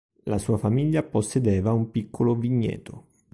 La sua famiglia possedeva un piccolo vigneto.